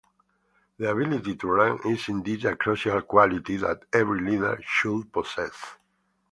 The ability to learn is indeed a crucial quality that every leader should possess.